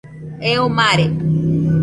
Eo mare